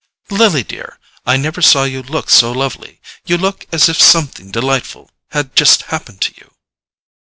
"Lily, dear, I never saw you look so lovely! You look as if something delightful had just happened to you!"